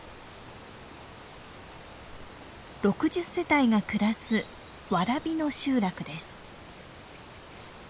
６０世帯が暮らす蕨野集落です。